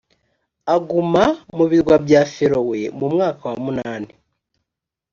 aguma mu birwa bya ferowe mu mwaka wa munani